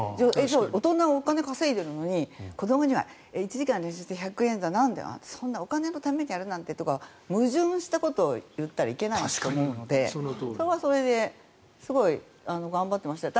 大人はお金を稼いでいるのに子どもには１時間で１００円だみたいなそんなお金のためにやるなんてって矛盾したことを言ったらいけないと思うのでそれはそれですごい頑張ってましたよ。